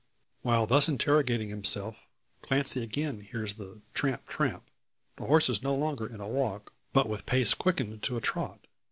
While thus interrogating himself, Clancy again hears the "tramp tramp," the horse no longer in a walk, but with pace quickened to a trot.